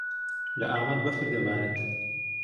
لە ئامەد بەفر دەبارێت.